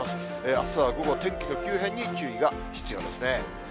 あすは午後、天気の急変に注意が必要ですね。